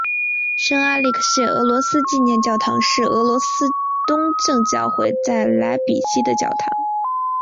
圣阿列克谢俄罗斯纪念教堂是俄罗斯东正教会在莱比锡的教堂。